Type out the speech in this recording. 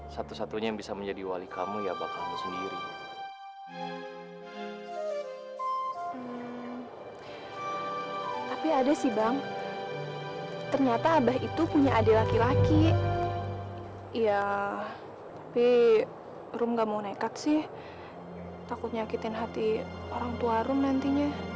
satu satunya yang bisa menjadi wali kamu ya aba kamu sendiri